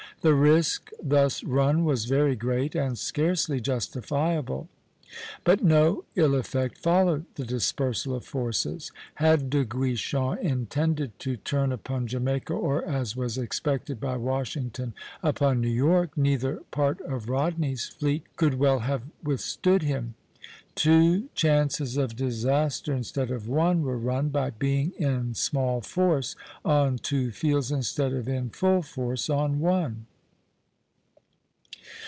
The risk thus run was very great, and scarcely justifiable; but no ill effect followed the dispersal of forces. Had De Guichen intended to turn upon Jamaica, or, as was expected by Washington, upon New York, neither part of Rodney's fleet could well have withstood him. Two chances of disaster, instead of one, were run, by being in small force on two fields instead of in full force on one.